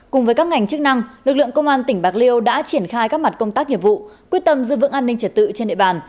cùng với các ngành chức năng lực lượng công an tỉnh bạc liêu đã triển khai các mặt công tác nghiệp vụ quyết tâm giữ vững an ninh trật tự trên địa bàn